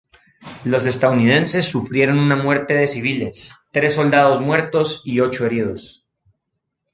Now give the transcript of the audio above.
Los estadounidenses sufrieron una muerte de civiles, tres soldados muertos y ocho heridos.